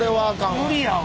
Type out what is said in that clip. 無理やわ。